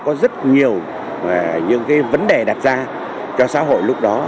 có rất nhiều vấn đề đặt ra cho xã hội lúc đó